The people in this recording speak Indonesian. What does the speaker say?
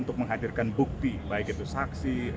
untuk menghadirkan bukti baik itu saksi